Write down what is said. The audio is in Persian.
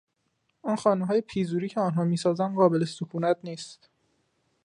آن خانههای پیزری که آنها میسازند قابل سکونت نیست.